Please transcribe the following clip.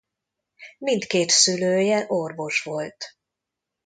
Mindkét szülője orvos volt.